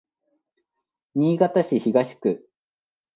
新潟市東区